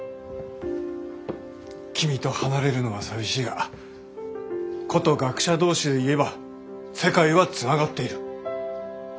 君と離れるのは寂しいがこと学者同士で言えば世界はつながっている。